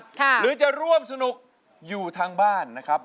หรือจะร่วมสนุกอยู่ทางบ้านนะครับ